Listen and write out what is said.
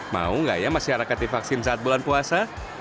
mau nggak ya masyarakat di vaksin saat bulan puasa